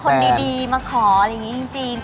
ใช่ว่าจะมีคนดีมาขออะไรอย่างนี้จริง